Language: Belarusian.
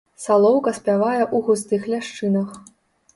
Салоўка спявае ў густых ляшчынах.